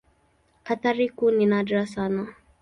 Athari kuu ni nadra sana.